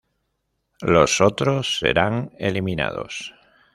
Los otros serán eliminados.